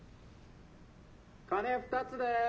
・鐘２つです。